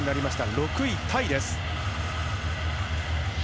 ６位タイです。